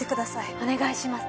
お願いします